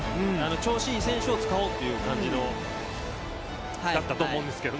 調子いい選手を使おうという感じだったと思うんですけど。